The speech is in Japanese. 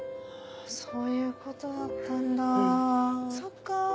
そういうことだったんだそっか。